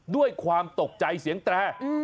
ด้วยความตกใจเสียงแตร